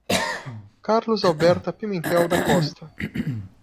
Carlos Alberto Pimentel da Costa